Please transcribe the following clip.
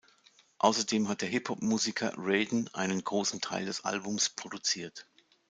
Außerdem hat der Hip-Hop-Musiker Raiden einen großen Teil des Albums produziert.